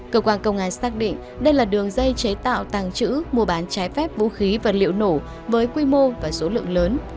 cơ quan công an xác định đây là đường dây chế tạo tàng trữ mua bán trái phép vũ khí vật liệu nổ với quy mô và số lượng lớn